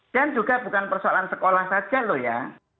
dan juga bukan persoalan sekolah saja loh ya